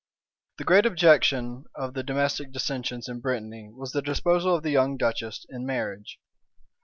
The great object of the domestic dissensions in Brittany was the disposal of the young duchess in marriage.